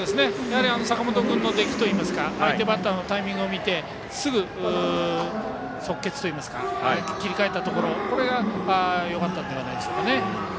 坂本君の出来といいますか相手バッターのタイミングを見てすぐに即決といいますか切り替えたところがよかったんじゃないですかね。